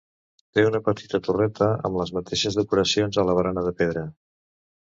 Té una petita torreta amb les mateixes decoracions a la barana de pedra.